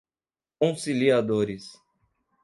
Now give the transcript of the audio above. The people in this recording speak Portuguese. conciliadores